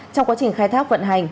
trong quá trình khai thác vận hành